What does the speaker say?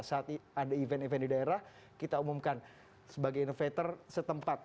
saat ada event event di daerah kita umumkan sebagai innovator setempat